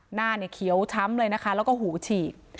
หน้าเนี่ยเขียวช้ำเลยนะคะแล้วก็หูฉีก